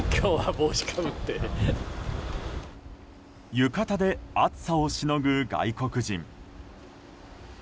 浴衣で暑さをしのぐ外国人。